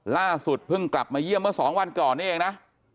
ล่าสุดเพิ่งกลับมาเยี่ยมเมื่อ๒วันก่อนนี้เองนะ